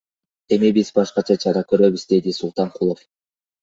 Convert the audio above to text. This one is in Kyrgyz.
Эми биз башкача чара көрөбүз, — деди Султанкулов.